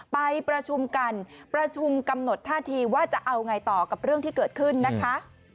ไปประชุมกันประชุมกำหนดท่าทีว่าจะเอาไงต่อกับเรื่องที่เกิดขึ้นนะคะ